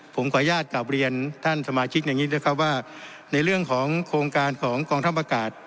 ผมขออนุญาตกลับเรียนท่านสมาชิกอย่างนี้นะครับว่าในเรื่องของโครงการของกองทัพอากาศ